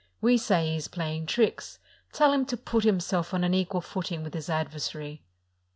We say he is playing tricks: tell him to put himself on an equal footing with his adversary."